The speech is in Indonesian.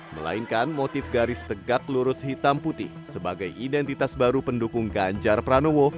melainkan motif garis tegak lurus hitam putih sebagai identitas baru pendukung ganjar pranowo